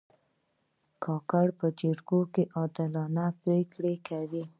کاکړ په جرګو کې عادلانه پرېکړې کوي.